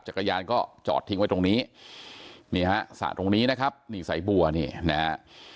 จักรยานก็จอดทิ้งไว้ตรงนี้นี่ฮะสระตรงนี้นะครับนี่สายบัวนี่นะฮะ